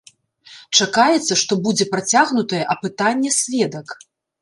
Чакаецца, што будзе працягнутае апытанне сведак.